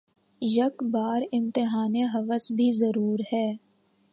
یک بار امتحانِ ہوس بھی ضرور ہے